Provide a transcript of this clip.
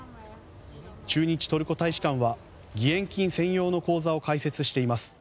駐日トルコ大使館は義援金専用の口座を開設しています。